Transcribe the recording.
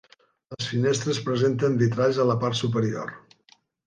Les finestres presenten vitralls a la part superior.